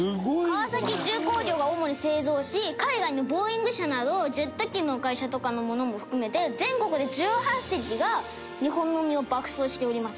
「川崎重工業が主に製造し海外のボーイング社などジェット機の会社とかのものも含めて全国で１８隻が日本の海を爆走しております」